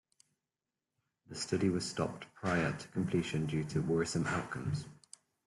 The study was stopped prior to completion due to worrisome outcomes.